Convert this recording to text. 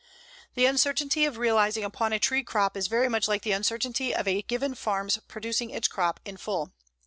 The uncertainty of realizing upon a tree crop is very much like the uncertainty of a given farm's producing its crop in full.